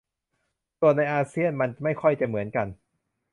ส่วนในอาเซียนมันไม่ค่อยจะเหมือนกัน